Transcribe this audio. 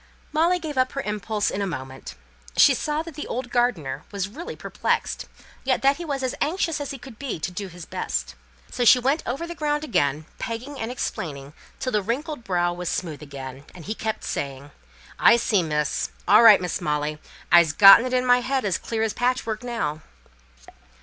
Molly gave up her impulse in a moment. She saw that the old gardener was really perplexed, yet that he was as anxious as he could be to do his best. So she went over the ground again, pegging and explaining till the wrinkled brow was smooth again, and he kept saying, "I see, miss. All right, Miss Molly, I'se gotten it in my head as clear as patchwork now."